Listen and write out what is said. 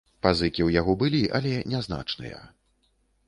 Пазыкі ў яго былі, але нязначныя.